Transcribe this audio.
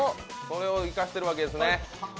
それを生かしているわけですね。